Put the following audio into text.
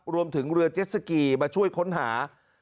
รวมถึงเรือเจ็ดสกีมาช่วยค้นหา